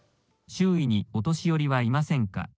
「周囲にお年寄りはいませんか。